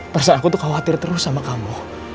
pernah saat aku tuh khawatir terus sama kamu